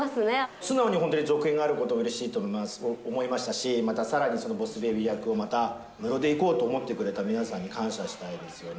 素直に本当に続編があることがうれしいと思いましたし、またさらにボス・ベイビー役をまたムロでいこうと思ってくれた皆さんに感謝したいですよね。